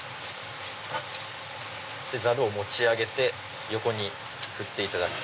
ざるを持ち上げて横に振っていただく。